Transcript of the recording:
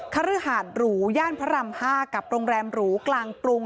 คฤหาดหรูย่านพระราม๕กับโรงแรมหรูกลางกรุง